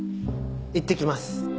いってきます。